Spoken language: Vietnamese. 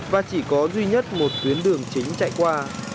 và chỉ có duy nhất một tuyến đường chính chạy qua